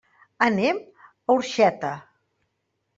Anem a Orxeta.